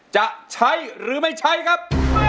จะใช้หรือไม่ใช้ครับ